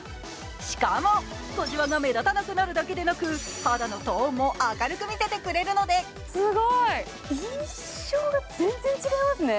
しかも、こじわが目立たなくなるだけでなく肌のトーンも明るく見せてくれるので印象が全然違いますね。